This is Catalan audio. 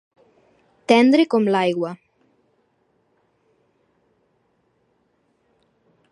Tendre com l'aigua.